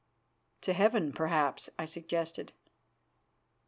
"To heaven, perhaps," I suggested.